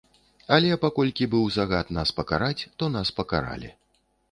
Але паколькі быў загад нас пакараць, то нас пакаралі.